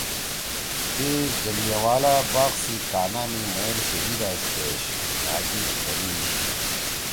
تی جلیانوالہ باغ سی کانا می مئیل شہیِدا پیش مھأ گیت بنیئ شی: